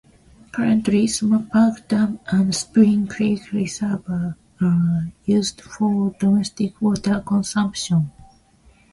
Currently Suma Park Dam and Spring Creek Reservoir are used for domestic water consumption.